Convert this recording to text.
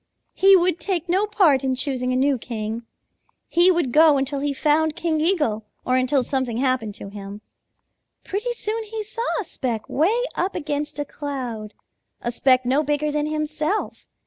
He would take no part in choosing a new king. He would go until he found King Eagle or until something happened to him. Pretty soon he saw a speck way up against a cloud, a speck no bigger than himself.